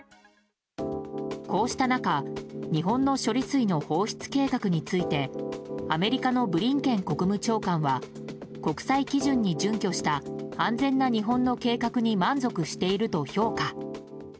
こうした中、日本の処理水の放出計画についてアメリカのブリンケン国務長官は国際基準に準拠した安全な日本の計画に満足していると評価。